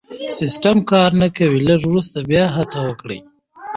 سيسټم کار نه کوي لږ وروسته بیا هڅه وکړئ